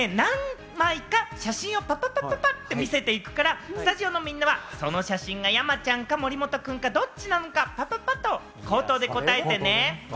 今から何枚か写真をパパパパパッて見せていくから、スタジオのみんなはその写真が山ちゃんか森本君かどっちなのか、パパパっと口頭で答えてね。